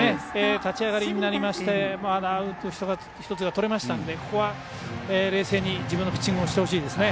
立ち上がりになりましてアウト１つ取れたのでここは冷静に自分のピッチングをしてほしいですね。